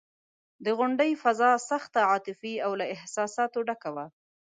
د غونډې فضا سخته عاطفي او له احساساتو ډکه وه.